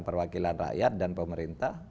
perwakilan rakyat dan pemerintah